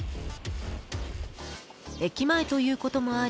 ［駅前ということもあり